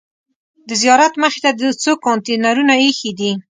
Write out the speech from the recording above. د زیارت مخې ته څو کانتینرونه ایښي دي.